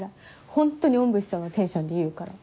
本当におんぶしそうなテンションで言うから。